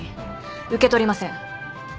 受け取りません。